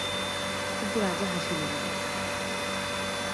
কিন্তু রাজা হাসিলেন না।